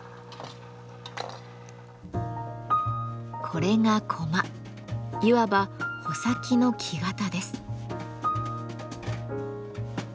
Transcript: これがいわば穂先の木型です。